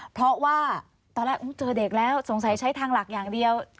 เพราะว่าตอนแรกเจอเด็กแล้วสงสัยใช้ทางหลักอย่างเดียว